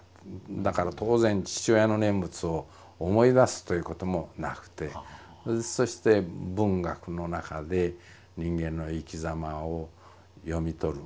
だから当然父親の念仏を思い出すということもなくてそして文学の中で人間の生きざまを読み取る。